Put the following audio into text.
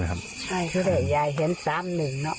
ก็ให้หญายเห็น๓๑เนอะ